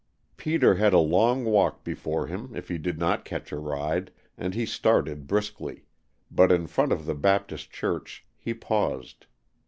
Peter had a long walk before him if he did not catch a ride, and he started briskly, but in front of the Baptist Church he paused.